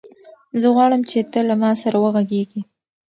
زه غواړم چې ته له ما سره وغږېږې.